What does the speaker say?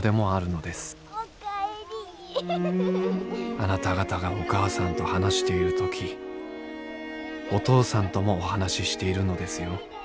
「あなた方がお母さんと話している時お父さんともお話ししているのですよ。